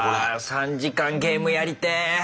３時間ゲームやりてぇ。